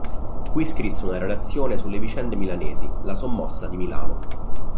Qui scrisse una relazione sulle vicende milanesi, "La sommossa di Milano.